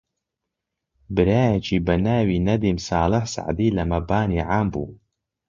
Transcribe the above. برایەکی بە ناوی نەدیم ساڵح سەعدی لە مەبانی عام بوو